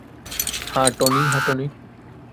হ্যাঁ, টনি।